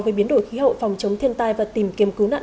với biến đổi khí hậu phòng chống thiên tai và tìm kiếm cứu nạn